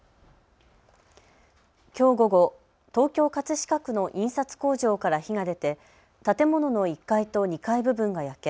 きょう午後、東京葛飾区の印刷工場から火が出て建物の１階と２階部分が焼け